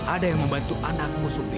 ada yang membantu anakmu sumi